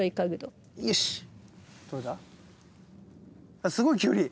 あっすごいキュウリ。